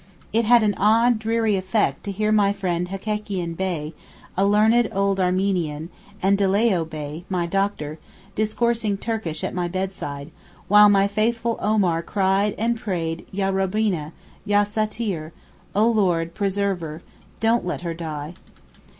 It had an odd, dreary effect to hear my friend Hekekian Bey, a learned old Armenian, and De Leo Bey, my doctor, discoursing Turkish at my bedside, while my faithful Omar cried and prayed Yah Robbeena! Yah Saatir! (O Lord! O Preserver!) 'don't let her die.